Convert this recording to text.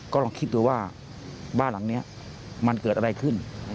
ก็ลองคิดดูว่าบ้านหลังนี้มันเกิดอะไรขึ้น